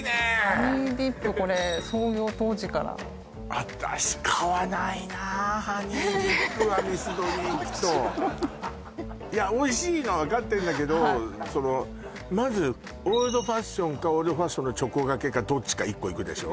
これ創業当時から私買わないなあハニーディップはミスドに行くといやおいしいのは分かってんだけどそのまずオールドファッションかオールドファッションのチョコがけかどっちか１個いくでしょ